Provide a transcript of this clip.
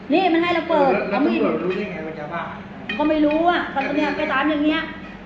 นี่มันให้เราเปิดแล้วตัวโดยรู้ได้ยังไงว่ายาบ้าเขาไม่รู้อ่ะไปตามอย่างเงี้ย